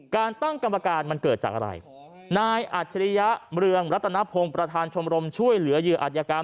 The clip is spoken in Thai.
การตั้งกรรมการมันเกิดจากอะไรนายอัจฉริยะเมืองรัตนพงศ์ประธานชมรมช่วยเหลือเหยื่ออัธยกรรม